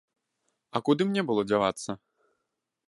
А куды мне было дзявацца?